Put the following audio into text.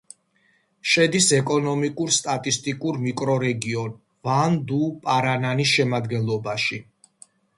შედის ეკონომიკურ-სტატისტიკურ მიკრორეგიონ ვან-დუ-პარანანის შემადგენლობაში.